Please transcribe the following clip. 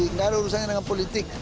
nggak ada urusannya dengan politik